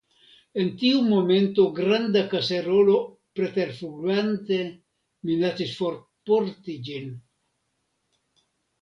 En tiu momento granda kaserolo preterflugante minacis forporti ĝin.